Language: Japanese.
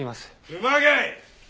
熊谷！